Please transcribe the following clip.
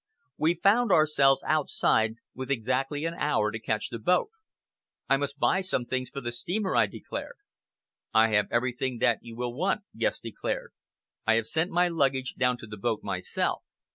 We found ourselves outside with exactly an hour to catch the boat. "I must buy some things for the steamer," I declared. "I have everything that you will want," Guest declared. "I have sent my luggage down to the boat myself.